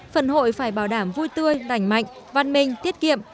phần hội phải bảo đảm vui tươi đảnh mạnh văn minh tiết kiệm